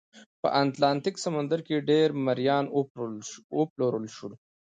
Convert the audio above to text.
په اتلانتیک سمندر کې ډېر مریان وپلورل شول.